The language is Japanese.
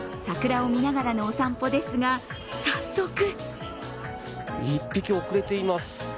桜を見ながらのお散歩ですが、早速１匹遅れています。